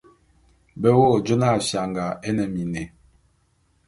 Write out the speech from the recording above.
Be wo jona fianga é ne miné.